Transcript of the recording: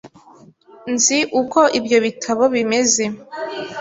Nzi uko ibyo bitabo bimeze .